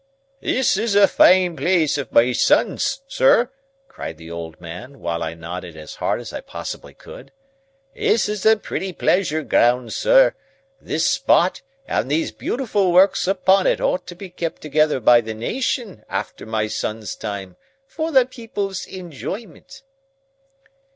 "This is a fine place of my son's, sir," cried the old man, while I nodded as hard as I possibly could. "This is a pretty pleasure ground, sir. This spot and these beautiful works upon it ought to be kept together by the Nation, after my son's time, for the people's enjoyment."